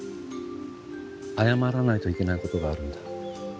謝らないといけないことがあるんだ。